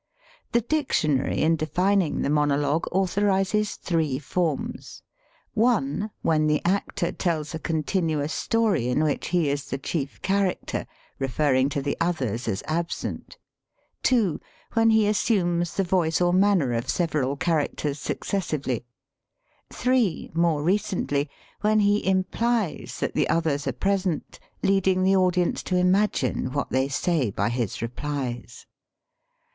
The dictionary in defining the monologue authorizes three forms: (i) when the actor tells a continuous story in which he is the chief character, re ferring to the others as absent; (2) when he assumes the voice or manner of several characters successively; (3) more recently, when he implies that the others are present, leading the audience to imagine what they say by his replies.